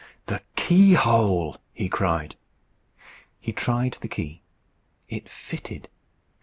"The key hole!" he cried. He tried the key. It fitted.